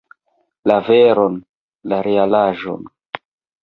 La veron, la realaĵon!